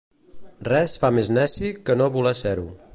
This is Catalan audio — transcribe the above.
Res fa més neci que no voler ser-ho.